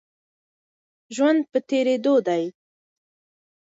ژوند په تېرېدو دی.